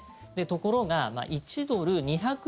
ところが、１ドル＝２００円。